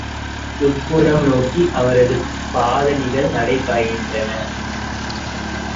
உட்புறம் நோக்கி அவரது பாதணிகள் நடைபயின்றன!